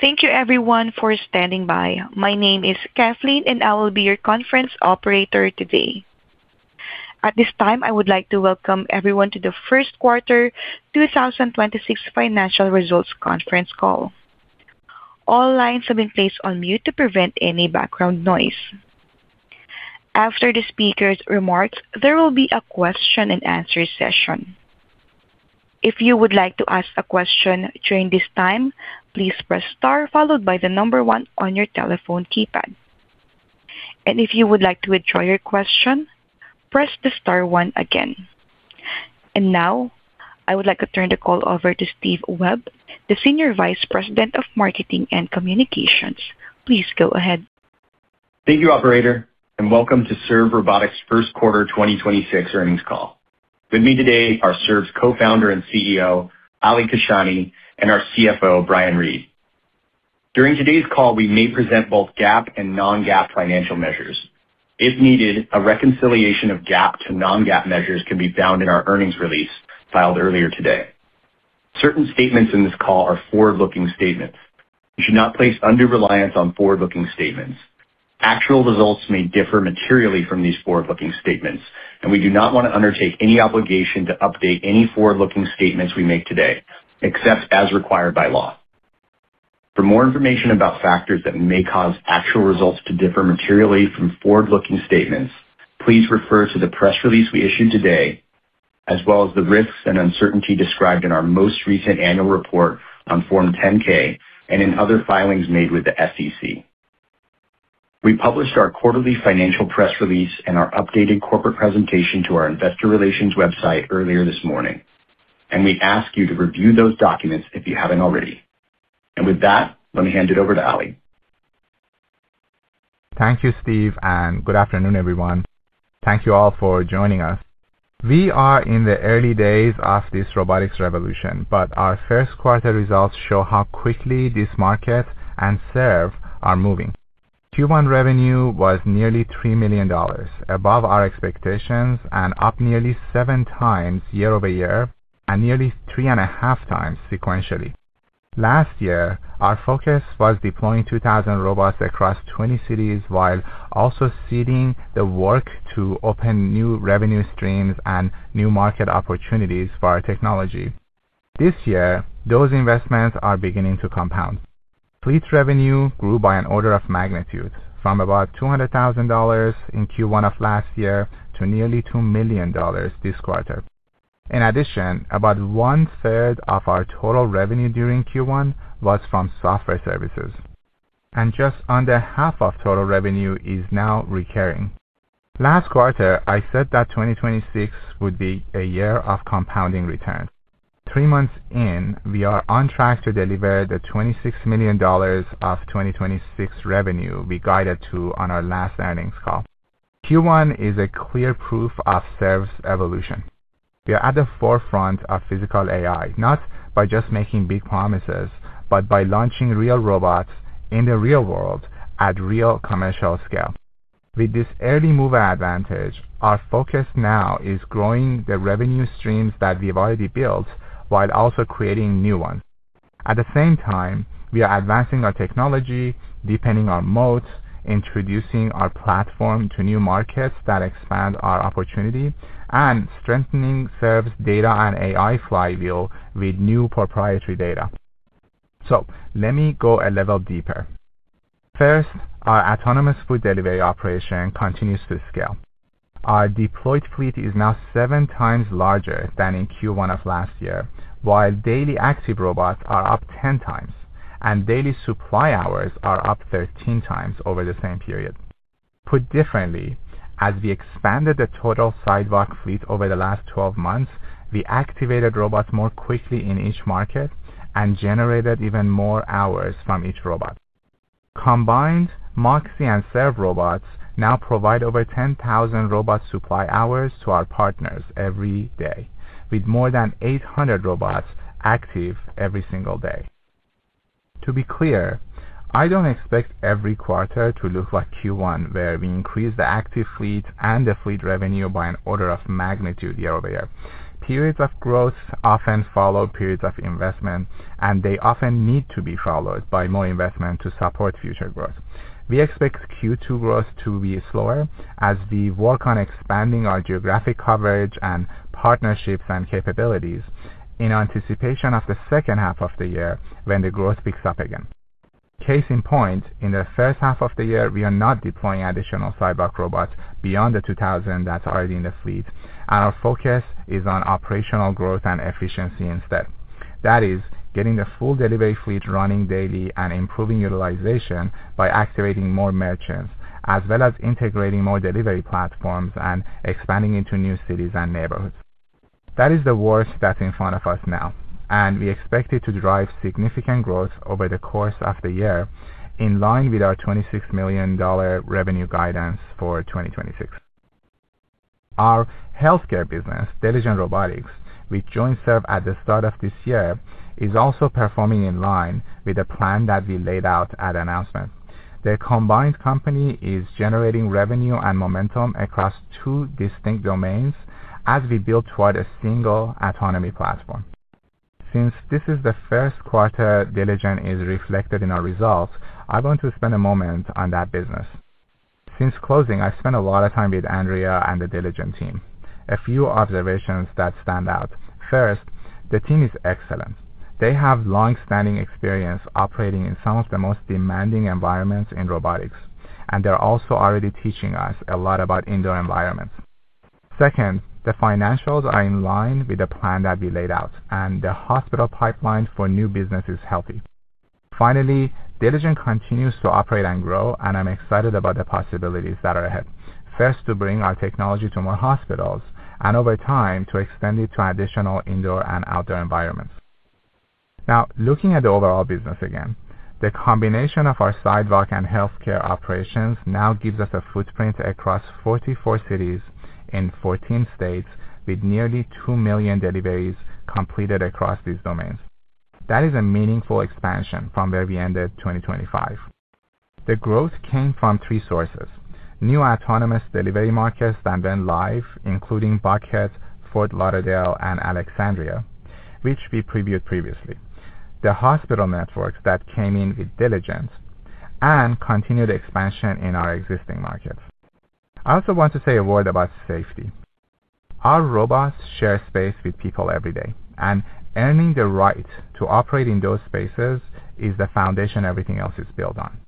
Thank you everyone for standing by. My name is Kathleen, and I will be your conference operator today. At this time, I would like to welcome everyone to the first quarter 2026 financial results conference call. All lines have been placed on mute to prevent any background noise. After the speaker's remarks, there will be a question and answer session. If you would like to ask a question during this time, please press star followed by the number one on your telephone keypad. If you would like to withdraw your question, press the star one again. Now, I would like to turn the call over to Steve Webb, the Senior Vice President of Marketing and Communications. Please go ahead. Thank you, operator, and welcome to Serve Robotics' first quarter 2026 earnings call. With me today are Serve's co-founder and CEO, Ali Kashani, and our CFO, Brian Read. During today's call, we may present both GAAP and non-GAAP financial measures. If needed, a reconciliation of GAAP to non-GAAP measures can be found in our earnings release filed earlier today. Certain statements in this call are forward-looking statements. You should not place undue reliance on forward-looking statements. Actual results may differ materially from these forward-looking statements, and we do not want to undertake any obligation to update any forward-looking statements we make today, except as required by law. For more information about factors that may cause actual results to differ materially from forward-looking statements, please refer to the press release we issued today, as well as the risks and uncertainty described in our most recent annual report on Form 10-K and in other filings made with the SEC. We published our quarterly financial press release and our updated corporate presentation to our investor relations website earlier this morning, and we ask you to review those documents if you haven't already. With that, let me hand it over to Ali. Thank you, Steve, and good afternoon, everyone. Thank you all for joining us. We are in the early days of this robotics revolution, but our first quarter results show how quickly this market and Serve are moving. Q1 revenue was nearly $3 million, above our expectations and up nearly seven times year-over-year and nearly 3.5 times sequentially. Last year, our focus was deploying 2,000 robots across 20 cities while also seeding the work to open new revenue streams and new market opportunities for our technology. This year, those investments are beginning to compound. Fleet revenue grew by an order of magnitude from about $200,000 in Q1 of last year to nearly $2 million this quarter. In addition, about 1/3 of our total revenue during Q1 was from software services, and just under 1/2 of total revenue is now recurring. Last quarter, I said that 2026 would be a year of compounding returns. Three months in, we are on track to deliver the $26 million of 2026 revenue we guided to on our last earnings call. Q1 is a clear proof of Serve's evolution. We are at the forefront of physical AI, not by just making big promises, but by launching real robots in the real world at real commercial scale. With this early mover advantage, our focus now is growing the revenue streams that we've already built while also creating new ones. At the same time, we are advancing our technology, deepening our moat, introducing our platform to new markets that expand our opportunity, and strengthening Serve's data and AI flywheel with new proprietary data. Let me go a level deeper. First, our autonomous food delivery operation continues to scale. Our deployed fleet is now seven times larger than in Q1 of last year, while daily active robots are up 10 times and daily supply hours are up 13 times over the same period. Put differently, as we expanded the total sidewalk fleet over the last 12 months, we activated robots more quickly in each market and generated even more hours from each robot. Combined, Moxie and Serve robots now provide over 10,000 robot supply hours to our partners every day, with more than 800 robots active every single day. To be clear, I don't expect every quarter to look like Q1, where we increase the active fleet and the fleet revenue by an order of magnitude year-over-year. Periods of growth often follow periods of investment, and they often need to be followed by more investment to support future growth. We expect Q2 growth to be slower as we work on expanding our geographic coverage and partnerships and capabilities in anticipation of the second half of the year when the growth picks up again. Case in point, in the first half of the year, we are not deploying additional sidewalk robots beyond the 2,000 that's already in the fleet. Our focus is on operational growth and efficiency instead. That is getting the full delivery fleet running daily and improving utilization by activating more merchants, as well as integrating more delivery platforms and expanding into new cities and neighborhoods. That is the work that's in front of us now. We expect it to drive significant growth over the course of the year in line with our $26 million revenue guidance for 2026. Our healthcare business, Diligent Robotics, which joined Serve at the start of this year, is also performing in line with the plan that we laid out at announcement. The combined company is generating revenue and momentum across two distinct domains as we build toward a single autonomy platform. Since this is the first quarter Diligent is reflected in our results, I want to spend a moment on that business. Since closing, I've spent a lot of time with Andrea and the Diligent team. A few observations that stand out. First, the team is excellent. They have long-standing experience operating in some of the most demanding environments in robotics, and they're also already teaching us a lot about indoor environments. Second, the financials are in line with the plan that we laid out, and the hospital pipeline for new business is healthy. Finally, Diligent continues to operate and grow, and I'm excited about the possibilities that are ahead. First, to bring our technology to more hospitals, and over time, to extend it to additional indoor and outdoor environments. Now, looking at the overall business again, the combination of our sidewalk and healthcare operations now gives us a footprint across 44 cities in 14 states with nearly 2 million deliveries completed across these domains. That is a meaningful expansion from where we ended 2025. The growth came from three sources: new autonomous delivery markets that went live, including Buckhead, Fort Lauderdale, and Alexandria, which we previewed previously, the hospital networks that came in with Diligent, and continued expansion in our existing markets. I also want to say a word about safety. Our robots share space with people every day, Earning the right to operate in those spaces is the foundation everything else is built on.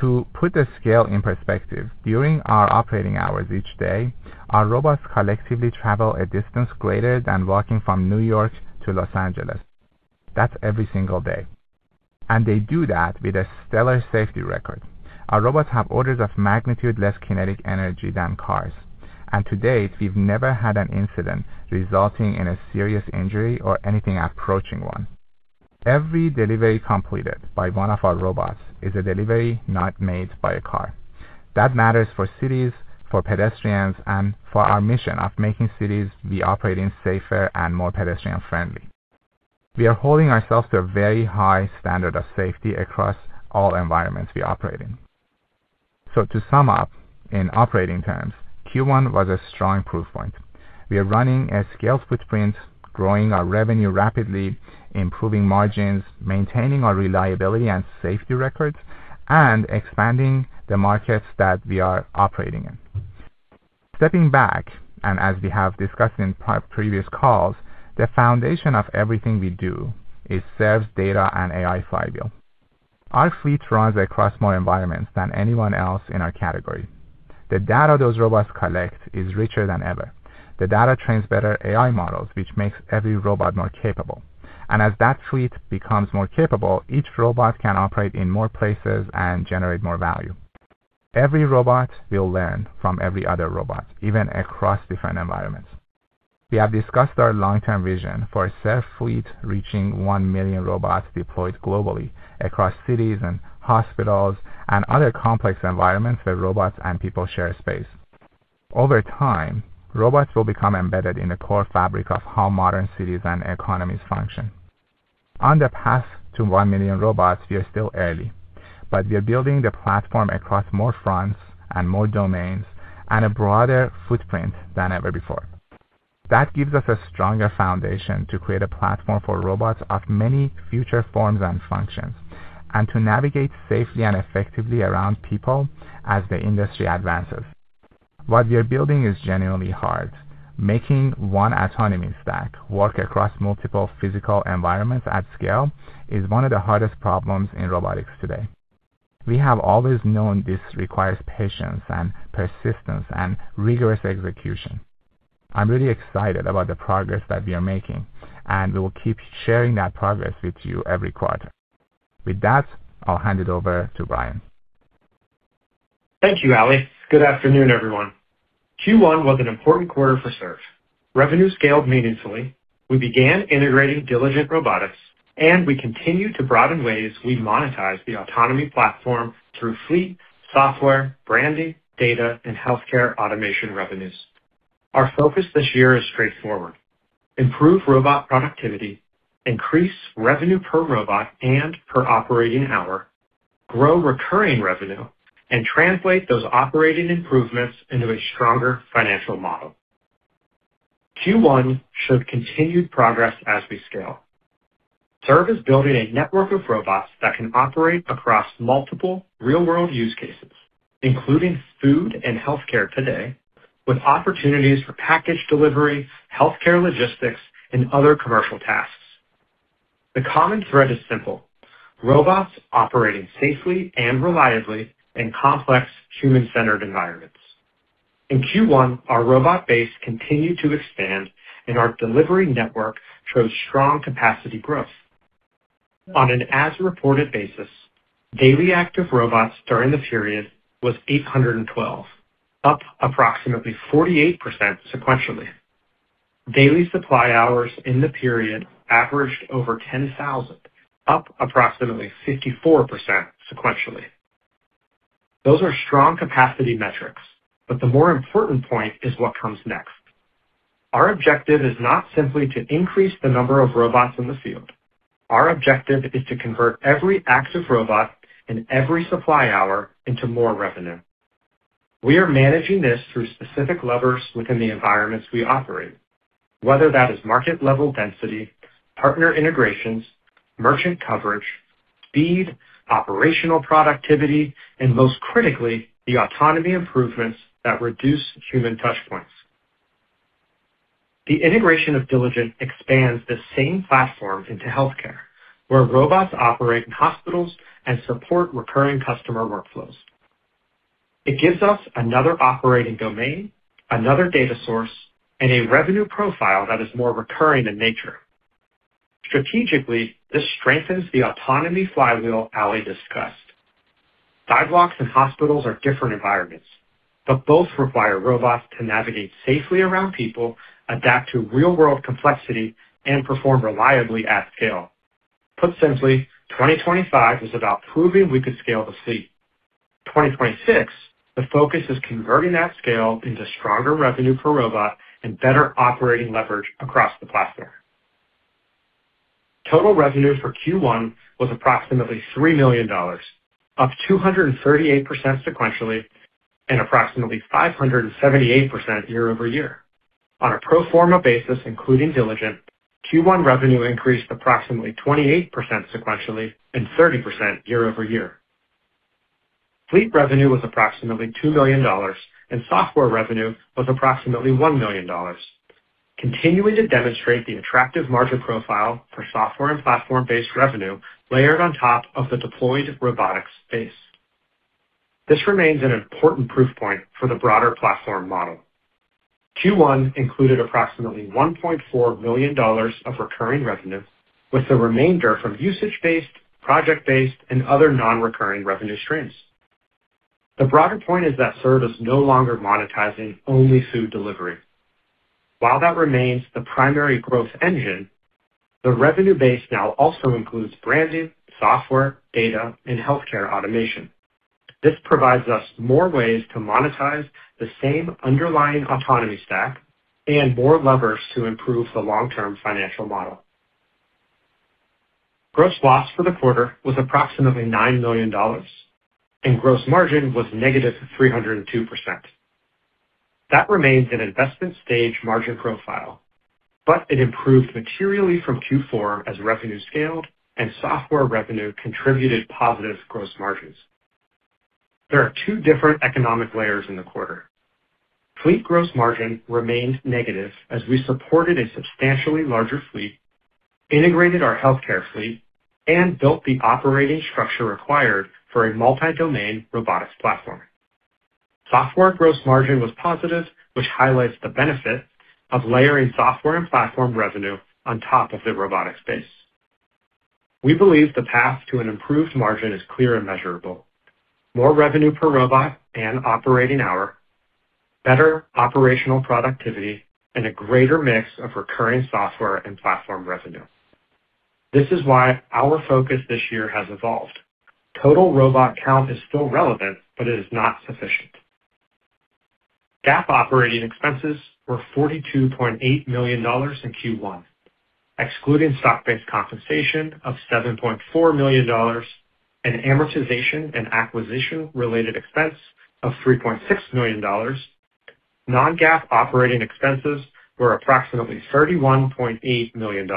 To put the scale in perspective, during our operating hours each day, our robots collectively travel a distance greater than walking from N.Y. to L.A. That's every single day. They do that with a stellar safety record. Our robots have orders of magnitude less kinetic energy than cars. To date, we've never had an incident resulting in a serious injury or anything approaching one. Every delivery completed by one of our robots is a delivery not made by a car. That matters for cities, for pedestrians, and for our mission of making cities we operate in safer and more pedestrian-friendly. We are holding ourselves to a very high standard of safety across all environments we operate in. To sum up, in operating terms, Q1 was a strong proof point. We are running a scaled footprint, growing our revenue rapidly, improving margins, maintaining our reliability and safety records, and expanding the markets that we are operating in. Stepping back, and as we have discussed in pre-previous calls, the foundation of everything we do is Serve's data and AI flywheel. Our fleet runs across more environments than anyone else in our category. The data those robots collect is richer than ever. The data trains better AI models, which makes every robot more capable. As that fleet becomes more capable, each robot can operate in more places and generate more value. Every robot will learn from every other robot, even across different environments. We have discussed our long-term vision for a self-fleet reaching 1 million robots deployed globally across cities and hospitals and other complex environments where robots and people share space. Over time, robots will become embedded in the core fabric of how modern cities and economies function. On the path to 1 million robots, we are still early, but we are building the platform across more fronts and more domains and a broader footprint than ever before. That gives us a stronger foundation to create a platform for robots of many future forms and functions, and to navigate safely and effectively around people as the industry advances. What we are building is genuinely hard. Making one autonomy stack work across multiple physical environments at scale is one of the hardest problems in robotics today. We have always known this requires patience and persistence and rigorous execution. I'm really excited about the progress that we are making, and we will keep sharing that progress with you every quarter. With that, I'll hand it over to Brian. Thank you, Ali. Good afternoon, everyone. Q1 was an important quarter for Serve. Revenue scaled meaningfully. We began integrating Diligent Robotics, and we continued to broaden ways we monetize the autonomy platform through fleet, software, branding, data, and healthcare automation revenues. Our focus this year is straightforward: improve robot productivity, increase revenue per robot and per operating hour, grow recurring revenue, and translate those operating improvements into a stronger financial model. Q1 showed continued progress as we scale. Serve is building a network of robots that can operate across multiple real-world use cases, including food and healthcare today, with opportunities for package delivery, healthcare logistics, and other commercial tasks. The common thread is simple: robots operating safely and reliably in complex human-centered environments. In Q1, our robot base continued to expand and our delivery network shows strong capacity growth. On an as-reported basis, daily active robots during the period was 812, up approximately 48% sequentially. Daily supply hours in the period averaged over 10,000, up approximately 54% sequentially. Those are strong capacity metrics, but the more important point is what comes next. Our objective is not simply to increase the number of robots in the field. Our objective is to convert every active robot and every supply hour into more revenue. We are managing this through specific levers within the environments we operate, whether that is market level density, partner integrations, merchant coverage, speed, operational productivity, and most critically, the autonomy improvements that reduce human touch points. The integration of Diligent expands the same platform into healthcare, where robots operate in hospitals and support recurring customer workflows. It gives us another operating domain, another data source, and a revenue profile that is more recurring in nature. Strategically, this strengthens the autonomy flywheel Ali discussed. Dive locks and hospitals are different environments, but both require robots to navigate safely around people, adapt to real-world complexity, and perform reliably at scale. Put simply, 2025 is about proving we could scale the fleet. 2026, the focus is converting that scale into stronger revenue per robot and better operating leverage across the platform. Total revenue for Q1 was approximately $3 million, up 238% sequentially, and approximately 578% year-over-year. On a pro forma basis, including Diligent, Q1 revenue increased approximately 28% sequentially and 30% year-over-year. Fleet revenue was approximately $2 million. Software revenue was approximately $1 million, continuing to demonstrate the attractive margin profile for software and platform-based revenue layered on top of the deployed robotics base. This remains an important proof point for the broader platform model. Q1 included approximately $1.4 million of recurring revenue, with the remainder from usage-based, project-based, and other non-recurring revenue streams. The broader point is that Serve is no longer monetizing only food delivery. While that remains the primary growth engine, the revenue base now also includes branding, software, data, and healthcare automation. This provides us more ways to monetize the same underlying autonomy stack and more levers to improve the long-term financial model. Gross loss for the quarter was approximately $90 million. Gross margin was negative 302%. That remains an investment stage margin profile, but it improved materially from Q4 as revenue scaled and software revenue contributed positive gross margins. There are two different economic layers in the quarter. Fleet gross margin remained negative as we supported a substantially larger fleet, integrated our healthcare fleet, and built the operating structure required for a multi-domain robotics platform. Software gross margin was positive, which highlights the benefit of layering software and platform revenue on top of the robotic space. We believe the path to an improved margin is clear and measurable. More revenue per robot and operating hour, better operational productivity, and a greater mix of recurring software and platform revenue. This is why our focus this year has evolved. Total robot count is still relevant, but it is not sufficient. GAAP operating expenses were $42.8 million in Q1, excluding stock-based compensation of $7.4 million and amortization and acquisition-related expense of $3.6 million. non-GAAP operating expenses were approximately $31.8 million.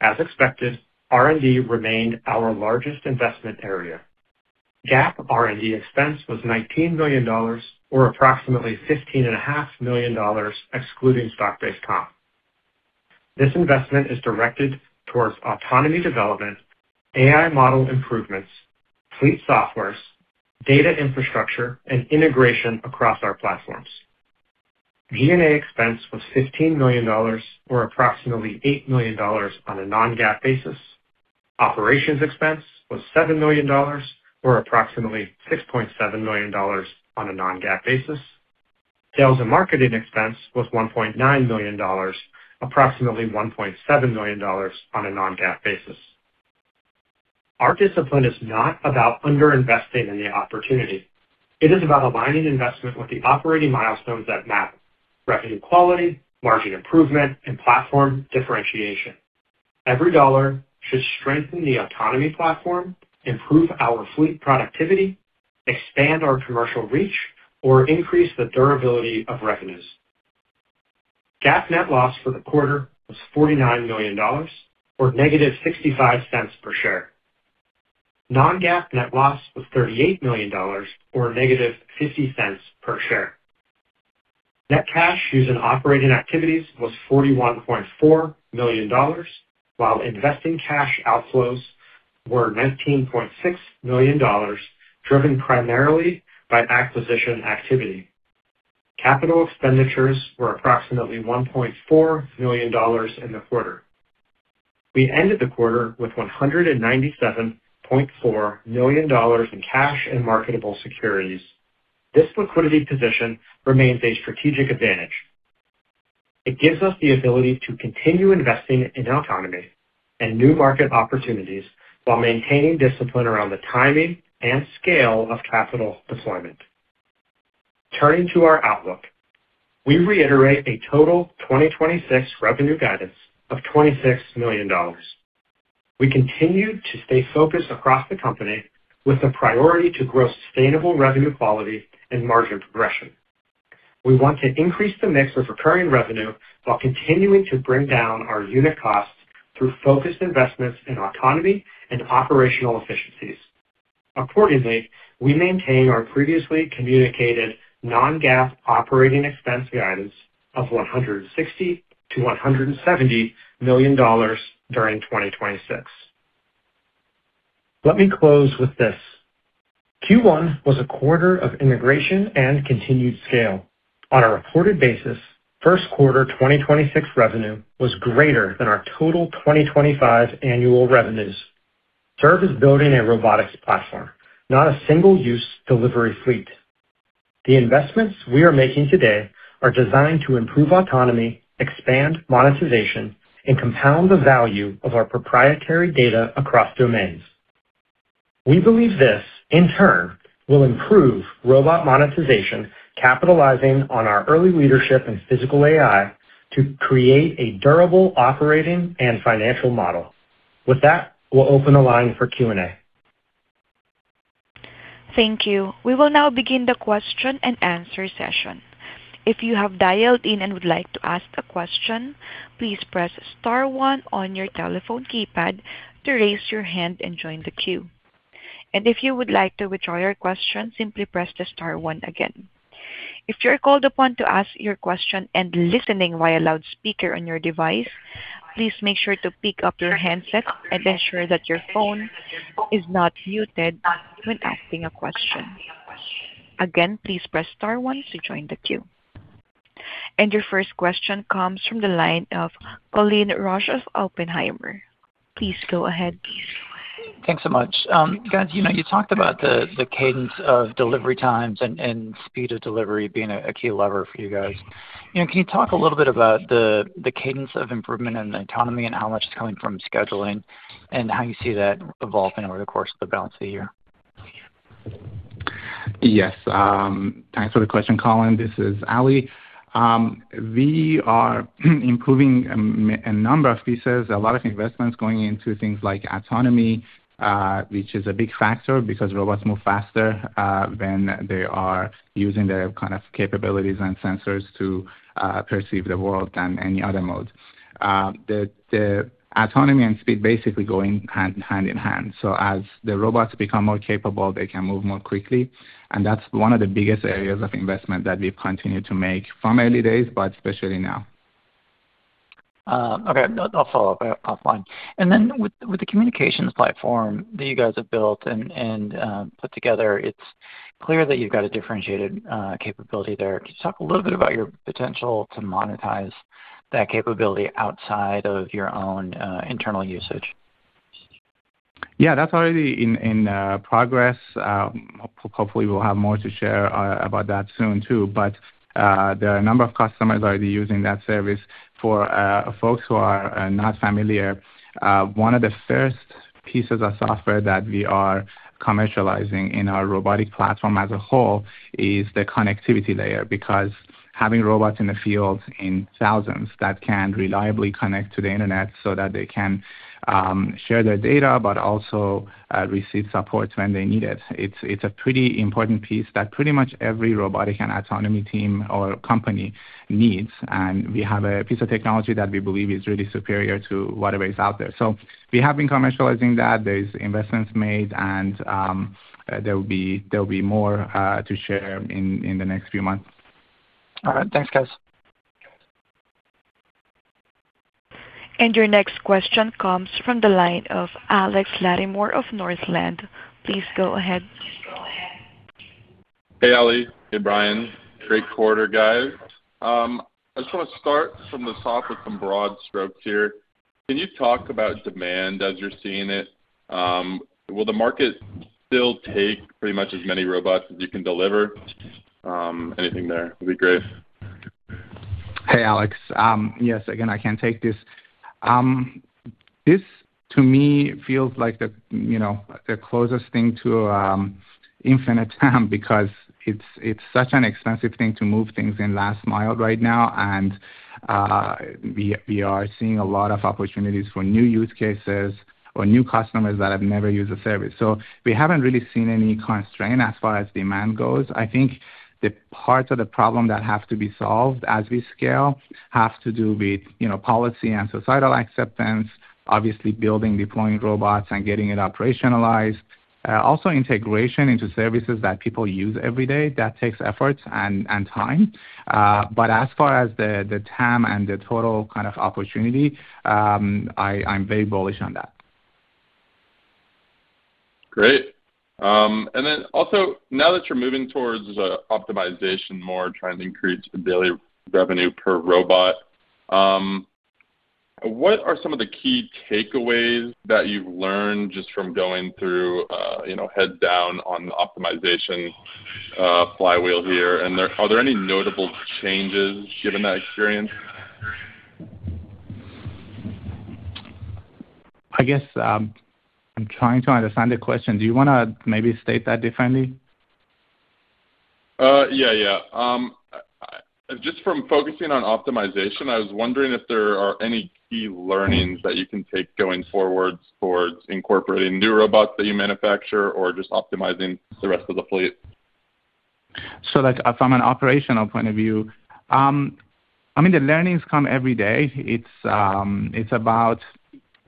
As expected, R&D remained our largest investment area. GAAP R&D expense was $19 million, or approximately $15.5 million, excluding stock-based comp. This investment is directed towards autonomy development, AI model improvements, fleet softwares, data infrastructure, and integration across our platforms. G&A expense was $15 million, or approximately $8 million on a non-GAAP basis. Operations expense was $7 million, or approximately $6.7 million on a non-GAAP basis. Sales and marketing expense was $1.9 million, approximately $1.7 million on a non-GAAP basis. Our discipline is not about under-investing in the opportunity. It is about aligning investment with the operating milestones that matter, revenue quality, margin improvement, and platform differentiation. Every dollar should strengthen the autonomy platform, improve our fleet productivity, expand our commercial reach, or increase the durability of revenues. GAAP net loss for the quarter was $49 million or negative $0.65 per share. Non-GAAP net loss was $38 million or negative $0.50 per share. Net cash using operating activities was $41.4 million, while investing cash outflows were $19.6 million, driven primarily by acquisition activity. Capital expenditures were approximately $1.4 million in the quarter. We ended the quarter with $197.4 million in cash and marketable securities. This liquidity position remains a strategic advantage. It gives us the ability to continue investing in autonomy and new market opportunities while maintaining discipline around the timing and scale of capital deployment. Turning to our outlook, we reiterate a total 2026 revenue guidance of $26 million. We continue to stay focused across the company with the priority to grow sustainable revenue quality and margin progression. We want to increase the mix of recurring revenue while continuing to bring down our unit costs through focused investments in autonomy and operational efficiencies. Accordingly, we maintain our previously communicated non-GAAP operating expense guidance of $160 million-$170 million during 2026. Let me close with this. Q1 was a quarter of integration and continued scale. On a reported basis, first quarter 2026 revenue was greater than our total 2025 annual revenues. Serve is building a robotics platform, not a single-use delivery fleet. The investments we are making today are designed to improve autonomy, expand monetization, and compound the value of our proprietary data across domains. We believe this, in turn, will improve robot monetization, capitalizing on our early leadership in physical AI to create a durable operating and financial model. With that, we will open the line for Q&A. Thank you. We will now begin the question-and-answer session. If you have dialed in and would like to ask a question, please press star one on your telephone keypad to raise your hand and join the queue. If you would like to withdraw your question, simply press the star one again. If you are called upon to ask your question and listening via loudspeaker on your device, please make sure to pick up your handset and ensure that your phone is not muted when asking a question. Again, please press star one to join the queue. Your first question comes from the line of Colin Rusch of Oppenheimer. Please go ahead. Thanks so much. Guys, you know, you talked about the cadence of delivery times and speed of delivery being a key lever for you guys. You know, can you talk a little bit about the cadence of improvement in the autonomy and how much is coming from scheduling and how you see that evolving over the course of the balance of the year? Yes. Thanks for the question, Colin. This is Ali. We are improving a number of pieces, a lot of investments going into things like autonomy, which is a big factor because robots move faster when they are using their kind of capabilities and sensors to perceive the world than any other mode. The autonomy and speed basically going hand in hand. As the robots become more capable, they can move more quickly, and that's one of the biggest areas of investment that we've continued to make from early days, but especially now. Okay. I'll follow up offline. With the communications platform that you guys have built and put together, it's clear that you've got a differentiated capability there. Can you talk a little bit about your potential to monetize that capability outside of your own internal usage? Yeah. That's already in progress. Hopefully we'll have more to share about that soon too. There are a number of customers already using that service. For folks who are not familiar, one of the first pieces of software that we are commercializing in our robotic platform as a whole is the connectivity layer. Because having robots in the field in thousands that can reliably connect to the internet so that they can share their data, but also receive support when they need it's a pretty important piece that pretty much every robotic and autonomy team or company needs. We have a piece of technology that we believe is really superior to whatever is out there. We have been commercializing that. There's investments made, and there will be more to share in the next few months. All right. Thanks, guys. Your next question comes from the line of Alex Latimore of Northland. Please go ahead. Hey, Ali. Hey, Brian. Great quarter, guys. I just wanna start from the top with some broad strokes here. Can you talk about demand as you're seeing it? Will the market still take pretty much as many robots as you can deliver? Anything there would be great. Hey, Alex. Yes, again, I can take this. This to me feels like the, you know, the closest thing to infinite time because it's such an expensive thing to move things in last mile right now. We are seeing a lot of opportunities for new use cases or new customers that have never used the service. We haven't really seen any constraint as far as demand goes. I think the parts of the problem that have to be solved as we scale have to do with, you know, policy and societal acceptance, obviously building, deploying robots, and getting it operationalized. Also integration into services that people use every day. That takes effort and time. As far as the TAM and the total kind of opportunity, I'm very bullish on that. Great. Also, now that you're moving towards optimization more, trying to increase the daily revenue per robot, what are some of the key takeaways that you've learned just from going through, you know, head down on optimization, flywheel here? Are there any notable changes given that experience? I guess, I'm trying to understand the question. Do you wanna maybe state that differently? Yeah, yeah. Just from focusing on optimization, I was wondering if there are any key learnings that you can take going forward towards incorporating new robots that you manufacture or just optimizing the rest of the fleet. That from an operational point of view, I mean, the learnings come every day. It's about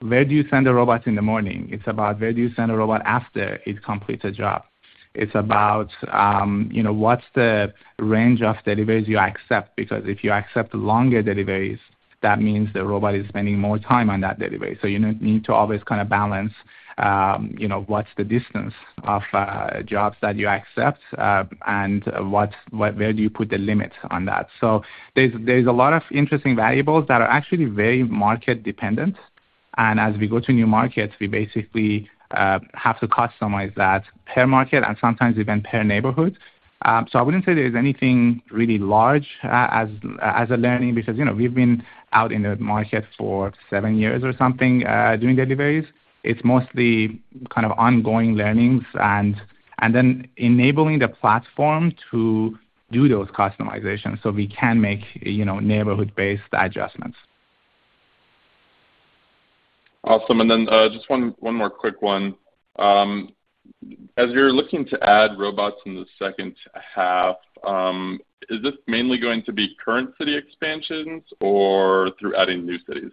where do you send a robot in the morning. It's about where do you send a robot after it completes a job. It's about, you know, what's the range of deliveries you accept, because if you accept longer deliveries, that means the robot is spending more time on that delivery. You need to always kind of balance, you know, what's the distance of jobs that you accept, and where do you put the limits on that. There's, there's a lot of interesting variables that are actually very market dependent. As we go to new markets, we basically have to customize that per market and sometimes even per neighborhood. I wouldn't say there's anything really large, as a learning because, you know, we've been out in the market for seven years or something, doing deliveries. It's mostly kind of ongoing learnings and then enabling the platform to do those customizations so we can make, you know, neighborhood-based adjustments. Awesome. Just one more quick one. As you're looking to add robots in the second half, is this mainly going to be current city expansions or through adding new cities?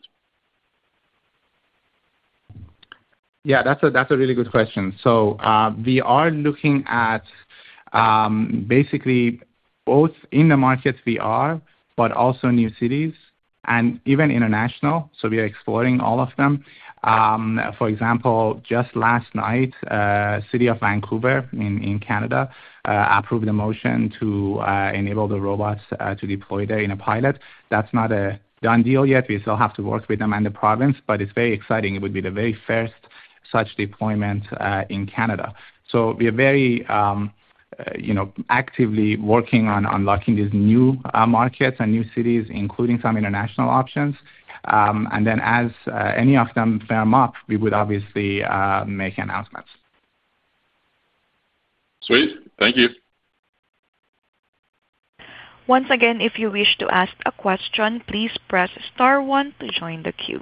That's a really good question. We are looking at basically both in the markets we are, but also new cities and even international, so we are exploring all of them. For example, just last night, city of Vancouver in Canada approved a motion to enable the robots to deploy there in a pilot. That's not a done deal yet. We still have to work with them and the province, but it's very exciting. It would be the very first such deployment in Canada. We are very, you know, actively working on unlocking these new markets and new cities, including some international options. As any of them firm up, we would obviously make announcements. Sweet. Thank you. Once again, if you wish to ask a question, please press star one to join the queue.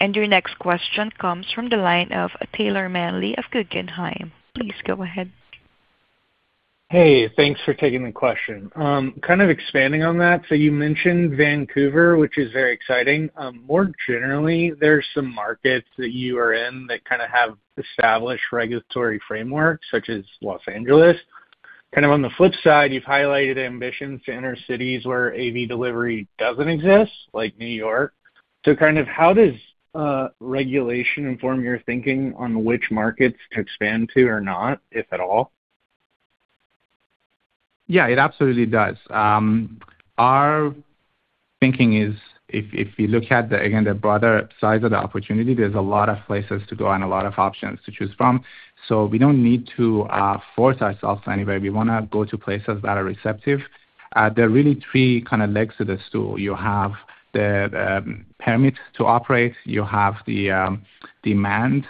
Your next question comes from the line of Taylor Manley of Guggenheim. Please go ahead. Hey, thanks for taking the question. kind of expanding on that, you mentioned Vancouver, which is very exciting. more generally, there's some markets that you are in that kind of have established regulatory framework, such as Los Angeles. Kind of on the flip side, you've highlighted ambitions to enter cities where AV delivery doesn't exist, like New York. kind of how does regulation inform your thinking on which markets to expand to or not, if at all? It absolutely does. Our thinking is if you look at the, again, the broader size of the opportunity, there's a lot of places to go and a lot of options to choose from. We don't need to force ourselves anywhere. We wanna go to places that are receptive. There are really three kind of legs to the stool. You have the permit to operate, you have the demand,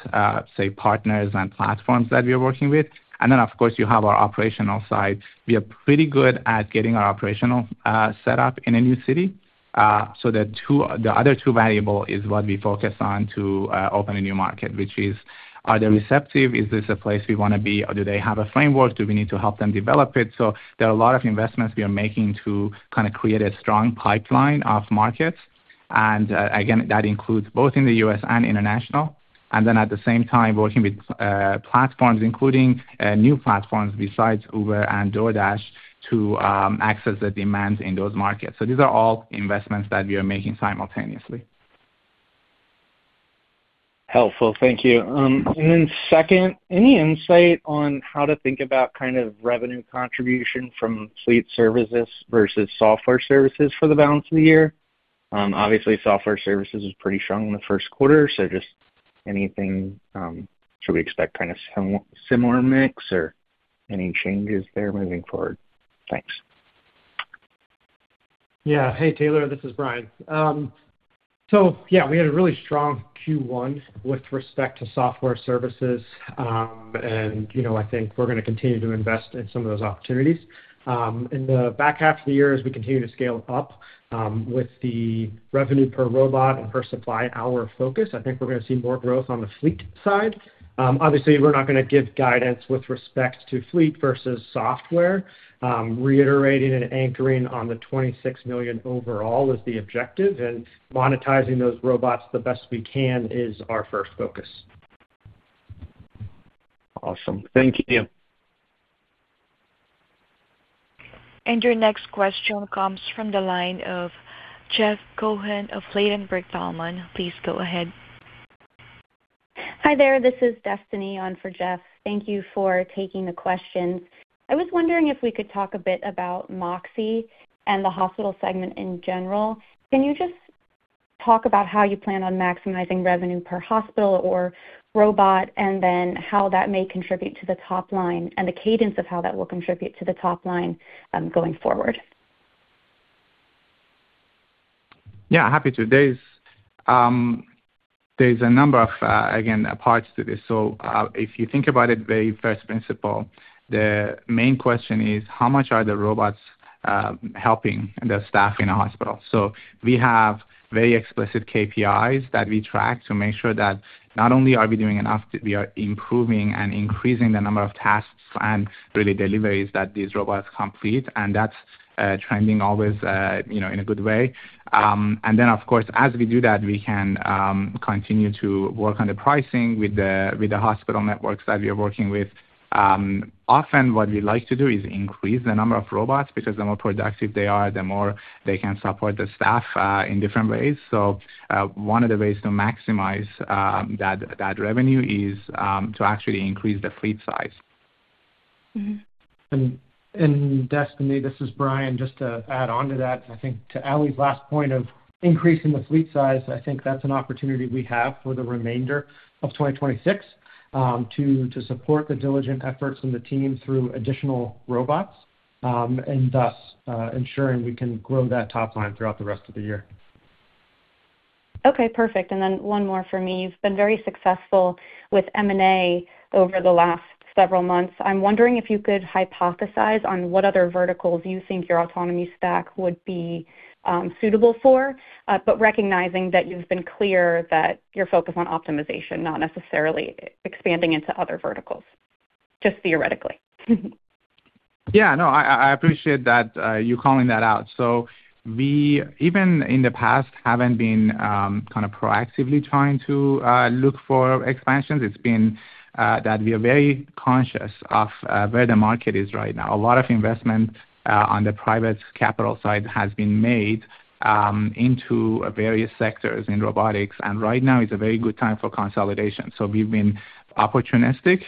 say, partners and platforms that we are working with, and then of course, you have our operational side. We are pretty good at getting our operational set up in a new city. The other two variable is what we focus on to open a new market, which is, are they receptive? Is this a place we wanna be, or do they have a framework? Do we need to help them develop it? There are a lot of investments we are making to create a strong pipeline of markets. Again, that includes both in the U.S. and international. At the same time, working with platforms, including new platforms besides Uber and DoorDash to access the demand in those markets. These are all investments that we are making simultaneously. Helpful. Thank you. Then second, any insight on how to think about kind of revenue contribution from fleet services versus software services for the balance of the year? obviously, software services is pretty strong in the first quarter. Just anything, should we expect kind of similar mix or any changes there moving forward? Thanks. Yeah. Hey, Taylor, this is Brian. Yeah, we had a really strong Q1 with respect to software services. You know, I think we're gonna continue to invest in some of those opportunities. In the back half of the year as we continue to scale up, with the revenue per robot and per supply hour focus, I think we're gonna see more growth on the fleet side. Obviously, we're not gonna give guidance with respect to fleet versus software. Reiterating and anchoring on the $26 million overall is the objective, monetizing those robots the best we can is our first focus. Awesome. Thank you. Your next question comes from the line of Jeff Cohen of Ladenburg Thalmann. Please go ahead. Hi there. This is Destiny on for Jeff. Thank you for taking the question. I was wondering if we could talk a bit about Moxie and the hospital segment in general. Can you just talk about how you plan on maximizing revenue per hospital or robot, and then how that may contribute to the top line and the cadence of how that will contribute to the top line going forward? Yeah, happy to. There's a number of, again, parts to this. If you think about it very first principle, the main question is how much are the robots helping the staff in a hospital? We have very explicit KPIs that we track to make sure that not only are we doing enough, we are improving and increasing the number of tasks and really deliveries that these robots complete, and that's trending always, you know, in a good way. Of course, as we do that, we can continue to work on the pricing with the hospital networks that we are working with. Often what we like to do is increase the number of robots because the more productive they are, the more they can support the staff in different ways. One of the ways to maximize that revenue is to actually increase the fleet size. Destiny, this is Brian. Just to add on to that, I think to Ali's last point of increasing the fleet size, I think that's an opportunity we have for the remainder of 2026 to support the diligent efforts from the team through additional robots, and thus, ensuring we can grow that top line throughout the rest of the year. Okay, perfect. Then one more for me. You've been very successful with M&A over the last several months. I'm wondering if you could hypothesize on what other verticals you think your autonomy stack would be suitable for, but recognizing that you've been clear that you're focused on optimization, not necessarily expanding into other verticals. Just theoretically. Yeah, no, I appreciate that, you calling that out. We even in the past, haven't been, kinda proactively trying to look for expansions. It's been that we are very conscious of where the market is right now. A lot of investment on the private capital side has been made into various sectors in robotics, and right now is a very good time for consolidation. We've been opportunistic,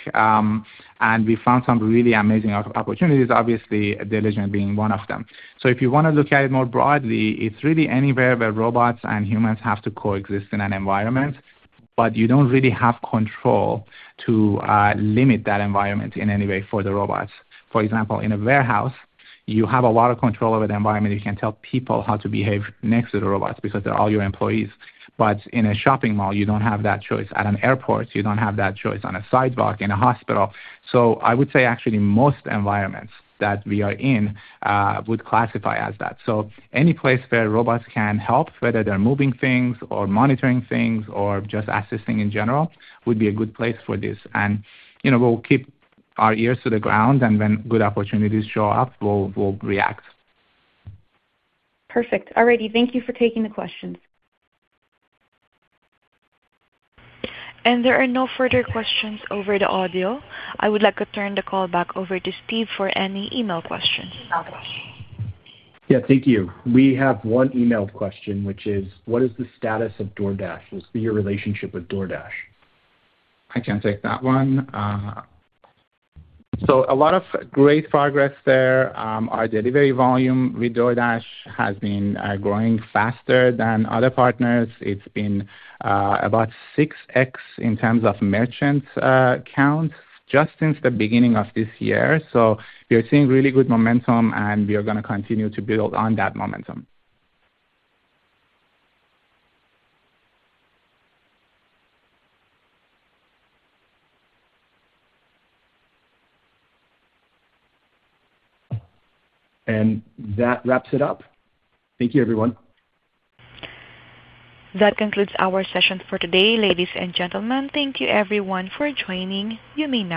and we found some really amazing opportunities, obviously, Diligent being one of them. If you wanna look at it more broadly, it's really anywhere where robots and humans have to coexist in an environment, but you don't really have control to limit that environment in any way for the robots. For example, in a warehouse, you have a lot of control over the environment. You can tell people how to behave next to the robots because they're all your employees. In a shopping mall, you don't have that choice. At an airport, you don't have that choice, on a sidewalk, in a hospital. I would say actually most environments that we are in would classify as that. Any place where robots can help, whether they're moving things or monitoring things or just assisting in general, would be a good place for this. You know, we'll keep our ears to the ground, and when good opportunities show up, we'll react. Perfect. All righty. Thank you for taking the questions. There are no further questions over the audio. I would like to turn the call back over to Steve for any email questions. Yeah. Thank you. We have one email question, which is: What is the status of DoorDash? What's your relationship with DoorDash? I can take that one. A lot of great progress there. Our delivery volume with DoorDash has been growing faster than other partners. It's been about 6x in terms of merchant count just since the beginning of this year. We are seeing really good momentum, and we are gonna continue to build on that momentum. That wraps it up. Thank you, everyone. That concludes our session for today, ladies and gentlemen. Thank you everyone for joining. You may now disconnect.